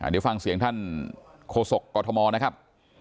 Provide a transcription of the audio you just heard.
เดี๋ยวฟังเสียงท่านโฆษกกฎธมนะครับ